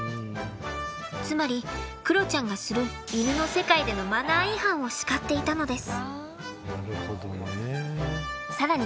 つまりクロちゃんがする犬の世界でのマナー違反を叱っていたのです。